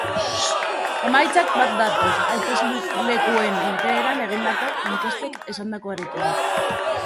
Emaitzak bat datoz hauteslekuen irteeran egindako inkestek esandakoarekin.